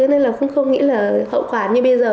nên là cũng không nghĩ là hậu quả như bây giờ